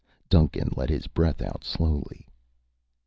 Duncan let his breath out slowly.